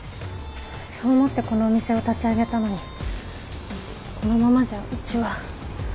そう思ってこのお店を立ち上げたのにこのままじゃうちは。